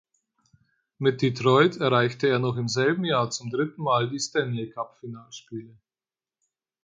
Mit Detroit erreichte er noch im selben Jahr zum dritten Mal die Stanley-Cup-Finalspiele.